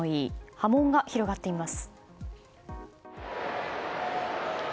波紋が広がっています。